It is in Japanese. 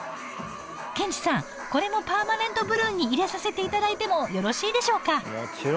ケンチさんこれもパーマネントブルーに入れさせていただいてもよろしいでしょうか？